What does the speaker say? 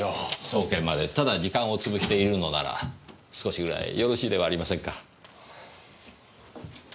送検までただ時間を潰しているのなら少しぐらいよろしいではありませんか。